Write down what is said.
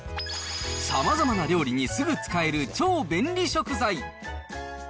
さまざまな料理にすぐ使える超便利食材。